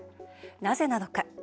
なぜなのか。